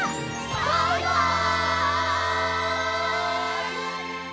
バイバイ！